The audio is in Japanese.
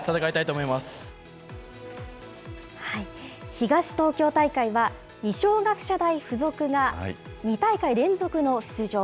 東東京大会は、二松学舎大付属が２大会連続の出場。